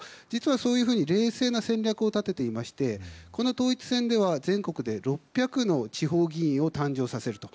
そういうふうに冷静な戦略を立てていましてこの統一選では全国で６００の地方議員を誕生させると。